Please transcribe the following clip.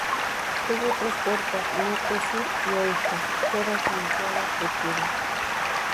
Tuvo tres puertas, norte, sur y oeste, todas flanqueadas por cubos.